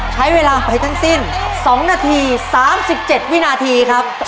ใช้เวลาไปทั้งสิ้น๒นาที๓๗วินาทีครับ